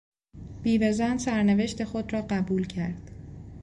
بیوهزن سرنوشت خود را قبول کرد.